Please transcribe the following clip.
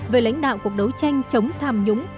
về lãnh đạo cuộc đấu tranh chống tham nhũng